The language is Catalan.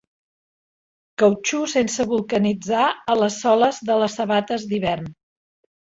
Cautxú sense vulcanitzar a les soles de les sabates d'hivern.